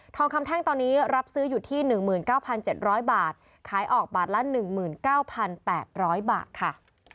คำแท่งตอนนี้รับซื้ออยู่ที่๑๙๗๐๐บาทขายออกบาทละ๑๙๘๐๐บาทค่ะ